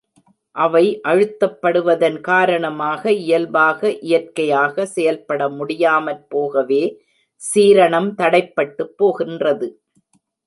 அவை அழுத்தப்படுவதன் காரணமாக, இயல்பாக இயற்கையாக செயல்படமுடியாமற் போகவே, சீரணம் தடைப்பட்டுப் போகின்றது.